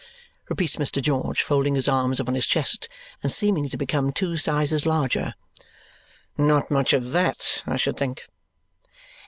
repeats Mr. George, folding his arms upon his chest and seeming to become two sizes larger. "Not much of that, I should think."